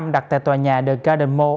đặt tại tòa nhà the garden mall